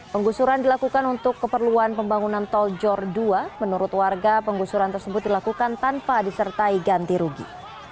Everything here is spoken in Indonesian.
penggusuran dilakukan untuk keperluan pembangunan tol jor dua menurut warga penggusuran tersebut dilakukan tanpa disertai ganti rugi